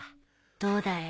どうだい？